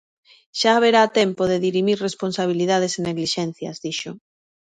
Xa haberá tempo de dirimir responsabilidades e neglixencias, dixo.